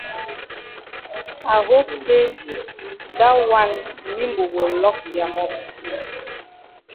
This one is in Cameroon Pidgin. I hope say dat wan mimbo go lock ya mop.